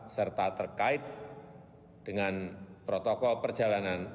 serta terkait dengan protokol perjalanan